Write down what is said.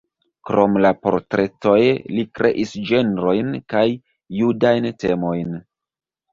Krom la portretoj li kreis ĝenrojn kaj judajn temojn.